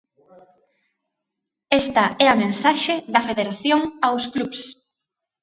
Esta é a mensaxe da Federación aos clubs.